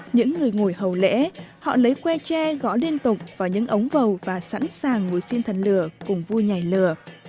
những người ngồi hầu lễ họ lấy que tre gõ liên tục vào những ống vầu và sẵn sàng ngồi xin thần lửa cùng vui nhảy lửa